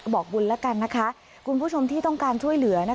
บอกบุญแล้วกันนะคะคุณผู้ชมที่ต้องการช่วยเหลือ